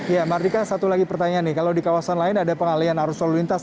ya mardika satu lagi pertanyaan nih kalau di kawasan lain ada pengalian arus lalu lintas